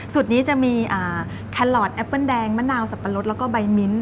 นี้จะมีแคลอทแอปเปิ้ลแดงมะนาวสับปะรดแล้วก็ใบมิ้น